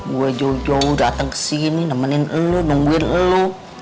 gue jauh jauh dateng kesini nemenin elu nungguin elu